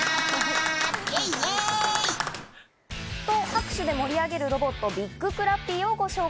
拍手で盛り上げるロボット、ビッグクラッピーをご紹介。